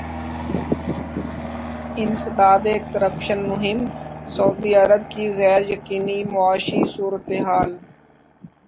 انسداد کرپشن مہم سعودی عرب کی غیر یقینی معاشی صورتحال